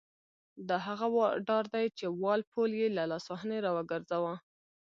دا هغه ډار دی چې وال پول یې له لاسوهنې را وګرځاوه.